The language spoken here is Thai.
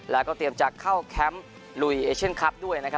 แล้วก็เตรียมจะเข้าแคมป์ลุยเอเชียนคลับด้วยนะครับ